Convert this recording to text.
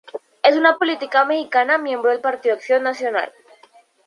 Es una política mexicana miembro del Partido Acción Nacional.